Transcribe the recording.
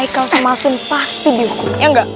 haikal sama asun pasti dihukum ya nggak